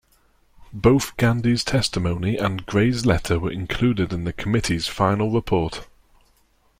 Both Gandy's testimony and Gray's letter were included in the committee's final report.